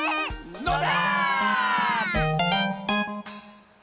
のだ！